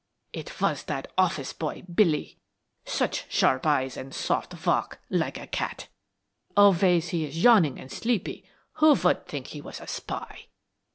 "It was that office boy, Billy," she began. "Such sharp eyes and soft walk, like a cat! Always he is yawning and sleepy who would think he was a spy?"